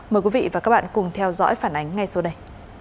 mời quý vị và các bạn cùng theo dõi phản ánh ngay sau đây